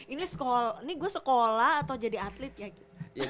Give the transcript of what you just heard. ini sekolah ini gue sekolah atau jadi atlet ya gitu